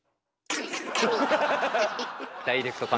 ダイレクト神。